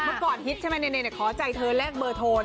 เมื่อก่อนฮิตใช่ไหมเนขอใจเธอแลกเบอร์โทร